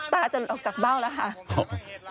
จนออกจากเบ้าแล้วค่ะ